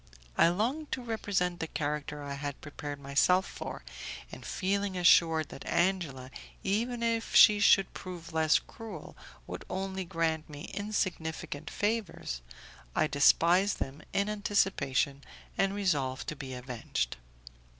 I longed to represent the character I had prepared myself for, and feeling assured that Angela, even if she should prove less cruel, would only grant me insignificant favours, I despised them in anticipation, and resolved to be avenged.